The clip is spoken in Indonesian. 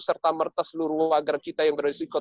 serta mertes seluruh warga kita yang berisiko